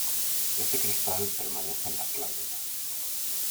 Ese cristal permanece en la Atlántida.